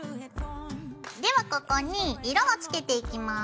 ではここに色をつけていきます。